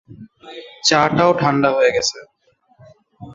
চা টাও ঠান্ডা হয়ে গেছে।